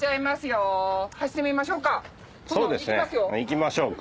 いきましょうか。